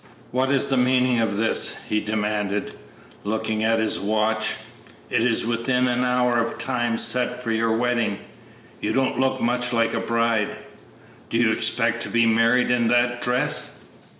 "What is the meaning of this?" he demanded, looking at his watch; "it is within an hour of the time set for your wedding; you don't look much like a bride. Do you expect to be married in that dress?"